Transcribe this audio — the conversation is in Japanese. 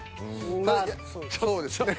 まあそうですね。